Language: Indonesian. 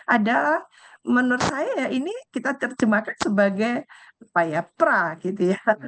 ada menurut saya ya ini kita terjemahkan sebagai pra gitu ya